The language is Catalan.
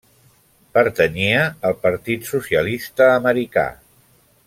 Pertanyia al Partit socialista americà.